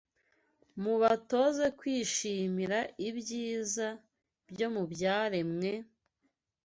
Mubatoze kwishimira ibyiza byo mu byaremwe,